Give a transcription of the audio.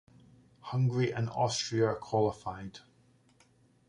Hungary and Austria qualified.